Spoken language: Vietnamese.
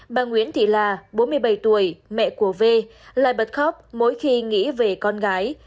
bà nguyễn thị là bốn mươi bảy tuổi mẹ của v lại bật khóc mỗi khi nghĩ về con gái